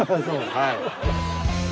はい。